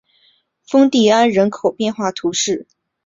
丰蒂安人口变化图示